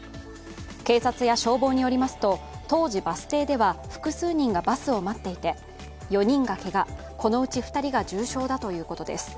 警察や消防によりますと当時、バス停では複数人がバスを待っていて４人がけが、このうち２人が重傷だということです。